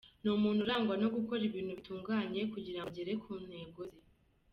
Ni umuntu urangwa no gukora ibintu bitunganye kugira ngo agere ku ntego ze.